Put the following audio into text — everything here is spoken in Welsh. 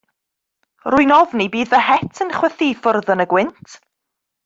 Rwy'n ofni bydd fy het yn chwythu i ffwrdd yn y gwynt.